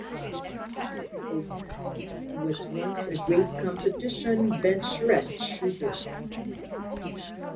Lon is a crippled man, who was once a great competition benchrest shooter.